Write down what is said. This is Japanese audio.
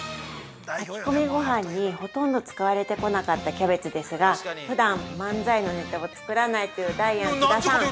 炊き込みごはんに、ほとんど使われてこなかったキャベツですが、ふだん漫才のネタを作らないというダイアン津田さん。